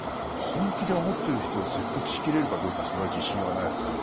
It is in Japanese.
本気で思ってる人を説得し切れるかどうかそれは自信はないですね。